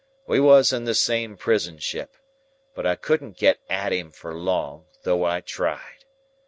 We was in the same prison ship, but I couldn't get at him for long, though I tried.